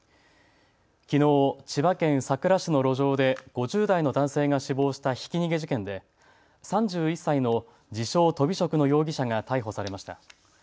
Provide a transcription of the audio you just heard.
きのう、千葉県佐倉市の路上で５０代の男性が死亡したひき逃げ事件で３１歳の自称、とび職の容疑者が逮捕されました。